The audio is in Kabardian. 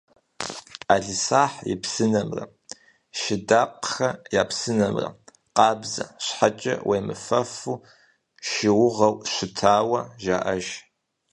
«ӏэлисахь и псынэмрэ» «Шыдакъхэ я псынэмрэ» къабзэ щхьэкӏэ, уемыфэфу шыугъэу щытауэ жаӏэ.